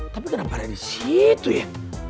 tapi kenapa ada disitu ya